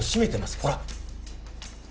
ほら